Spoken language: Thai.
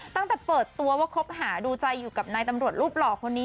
ตั้งแต่เปิดตัวว่าคบหาดูใจอยู่กับนายตำรวจรูปหล่อคนนี้